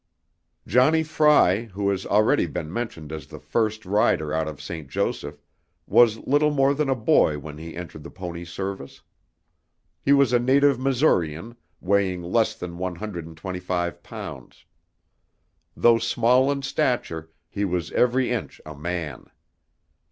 Johnnie Frey who has already been mentioned as the first rider out of St. Joseph, was little more than a boy when he entered the pony service. He was a native Missourian, weighing less than one hundred and twenty five pounds. Though small in stature, he was every inch a man.